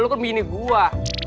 lu kan mini gue